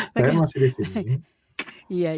saya masih di sini